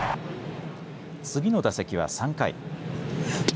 次の打席は３回。